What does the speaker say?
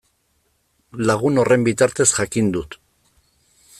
Lagun horren bitartez jakin dut.